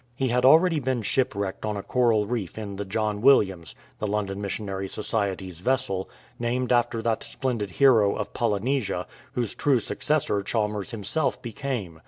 He had already been shipv^Tecked on a coral reef in the John Williams, the London Missionary Society's vessel, named after that splendid hero of Poly nesia whose true successor Chalmers himself became.